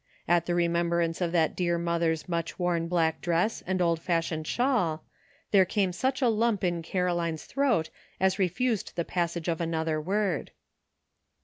At the remembrance of that dear mother's much worn black dress and old fashioned shawl, there came such a lump in Caroline's throat as refused the passage of another word.